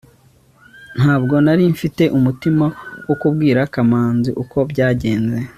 ntabwo nari mfite umutima wo kubwira kamanzi uko byagenze